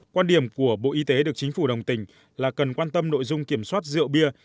quan điểm của bộ y tế được chính phủ đồng tình là cần quan tâm nội dung kiểm soát rượu bia